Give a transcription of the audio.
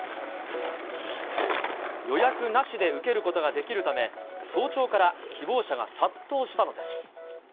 予約なしで受けることができるため、早朝から希望者が殺到したのです。